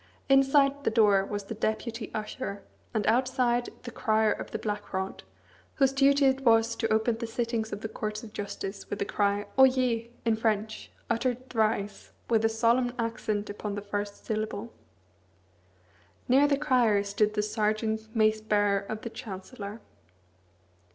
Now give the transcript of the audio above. Inside the door was the Deputy Usher; and outside, the Crier of the Black Rod, whose duty it was to open the sittings of the Courts of Justice with the cry, "Oyez!" in French, uttered thrice, with a solemn accent upon the first syllable. Near the Crier stood the Serjeant Mace Bearer of the Chancellor.